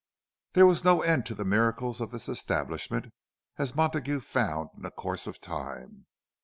There was no end to the miracles of this establishment, as Montague found in the course of time.